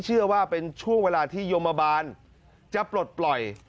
เชื่อว่าเป็นช่วงเวลาที่โยมบาลจะปลดปล่อย